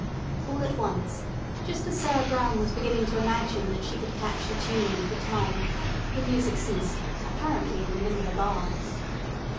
All at once, just as Sarah Brown was beginning to imagine that she could catch the tune and the time, the music ceased, apparently in the middle of a bar.